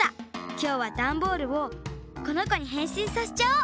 きょうはダンボールをこのこにへんしんさせちゃおう。